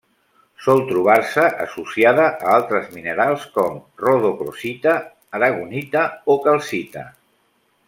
Sol trobar-se associada a altres minerals com: rodocrosita, aragonita o calcita.